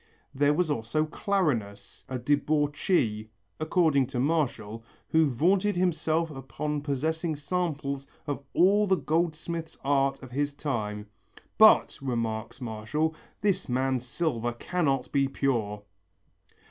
There was also Clarinus, a debauchee, according to Martial, who vaunted himself upon possessing samples of all the goldsmith's art of his time. "But," remarks Martial, "this man's silver cannot be pure!"